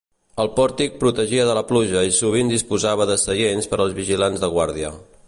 El pòrtic protegia de la pluja i sovint disposava de seients per als vigilants de guàrdia.